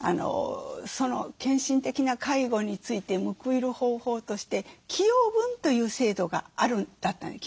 その献身的な介護について報いる方法として寄与分という制度があるんだった。